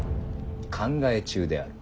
考え中である。